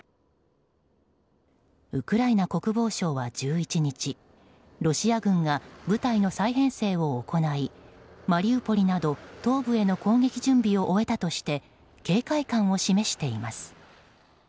ウクライナ国防省は１１日ロシア軍が部隊の再編成を行いマリウポリなど東部への攻撃準備を終えたとして警戒感を示しています。